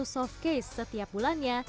tiga ratus softcase setiap bulannya